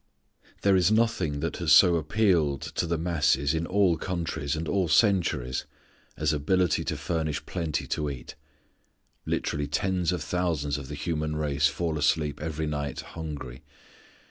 There is nothing that has so appealed to the masses in all countries and all centuries as ability to furnish plenty to eat. Literally tens of thousands of the human race fall asleep every night hungry.